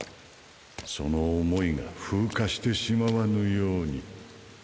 その想いが風化してしまわぬように。